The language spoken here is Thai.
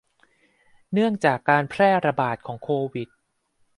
เนื่องจากการแพร่ระบาดของโควิด